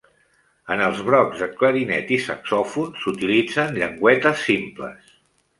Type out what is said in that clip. En els brocs de clarinet i saxòfon s'utilitzen llengüetes simples.